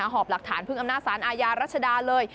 หอบหลักฐานพึ่งอำนาจสารอาญารัชดาเลย